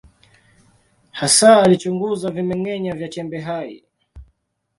Hasa alichunguza vimeng’enya vya chembe hai.